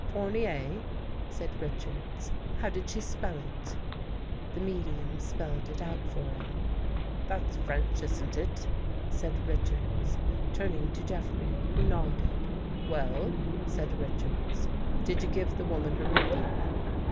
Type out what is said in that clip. "Fournier?" said Richards. "How did she spell it? " The medium spelled it out for him. "That's French, isn't it? " said Richards, turning to Jeffrey, who nodded. " Well," said Richards, " did you give the woman her reading?